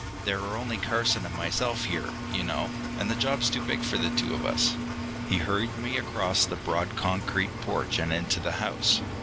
There are only Carson and myself here, you know, and the job's too big for the two of us." He hurried me across the broad concrete porch and into the house.